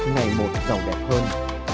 ngày một giàu đẹp hơn